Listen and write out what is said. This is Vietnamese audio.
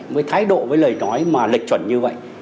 với thái độ với lời nói mà lệch chuẩn như vậy